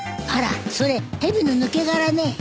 あらそれヘビの抜け殻ね。